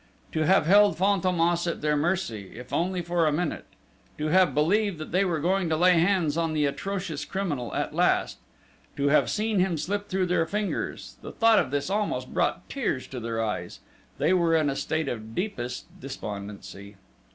To have held Fantômas at their mercy, if only for a minute; to have believed that they were going to lay hands on the atrocious criminal, at last; to have seen him slip through their fingers the thought of this almost brought tears to their eyes: they were in a state of the deepest despondency.